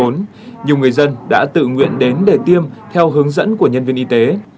nhiều người dân đã tự nguyện đến để tiêm theo hướng dẫn của nhân viên y tế